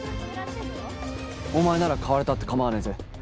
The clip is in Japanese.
お前なら買われたって構わねえぜ。